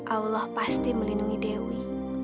allah pasti melindungi dewi